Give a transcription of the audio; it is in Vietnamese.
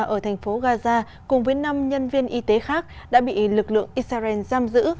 ở thành phố gaza cùng với năm nhân viên y tế khác đã bị lực lượng israel giam giữ